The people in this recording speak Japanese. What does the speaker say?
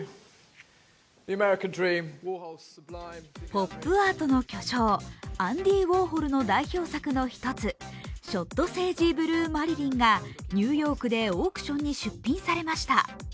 ポップアートの巨匠アンディ・ウォーホルの代表作のの１つ、「ショットセージブルーマリリン」がニューヨークでオークションに出品されました。